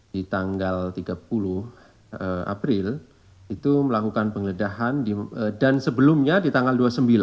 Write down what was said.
di tanggal tiga puluh april itu melakukan penggeledahan dan sebelumnya di tanggal dua puluh sembilan